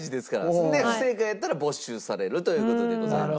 それで不正解やったら没収されるという事でございます。